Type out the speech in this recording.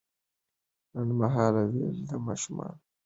لنډمهاله ویره د ماشومانو لپاره طبیعي ده.